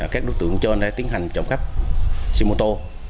các đối tượng trên đã tiến hành trộm cắp xe mô tô